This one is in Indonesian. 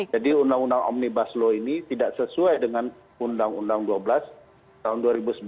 jadi undang undang omnibus law ini tidak sesuai dengan undang undang dua ribu dua belas tahun dua ribu sebelas